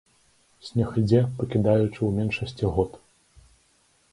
Снег ідзе, пакідаючы ў меншасці год.